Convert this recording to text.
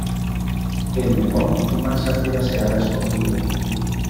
El limón más ácida será la escogida.